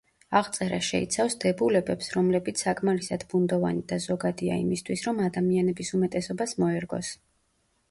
აღწერა შეიცავს დებულებებს, რომლებიც საკმარისად ბუნდოვანი და ზოგადია იმისთვის, რომ ადამიანების უმეტესობას მოერგოს.